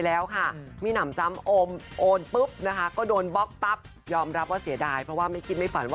เราไปดูแค่ยอดฟอร์